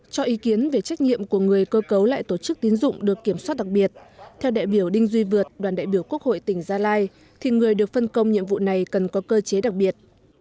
cho ý kiến về trách nhiệm của người cơ cấu lại tổ chức tín dụng được kiểm soát đặc biệt theo đại biểu đinh duy vượt đoàn đại biểu quốc hội tỉnh gia lai thì người được phân công nhiệm vụ này cần có cơ chế đặc biệt